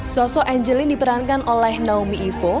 sosok angelin diperankan oleh naomi ivo